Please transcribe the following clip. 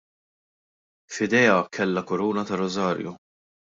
F'idejha kellha kuruna tar-rużarju.